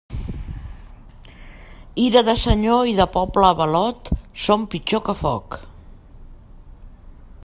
Ira de senyor i de poble avalot són pitjor que foc.